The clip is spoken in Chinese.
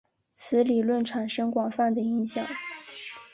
此理论产生广泛的影响。